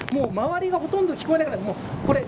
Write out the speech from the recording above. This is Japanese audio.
周りがほとんど聞こえないぐらい。